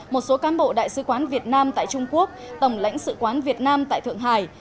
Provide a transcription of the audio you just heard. một số cán bộ đại sứ quán việt nam tại trung quốc tổng lãnh sự quán việt nam tại thượng hải